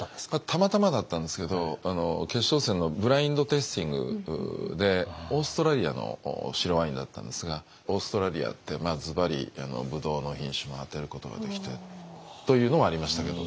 たまたまだったんですけど決勝戦のブラインドテイスティングでオーストラリアの白ワインだったんですがオーストラリアってずばりブドウの品種も当てることができてというのはありましたけど。